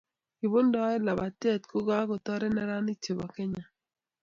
Kobuntoe labatee ko kokutoret neranik che bo Kenya.